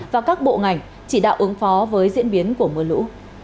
và các bộ ngành chỉ đạo ứng phó với diễn biến của mưa lũ